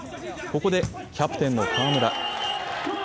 ここでキャプテンの川村。